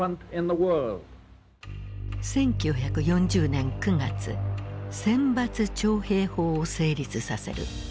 １９４０年９月選抜徴兵法を成立させる。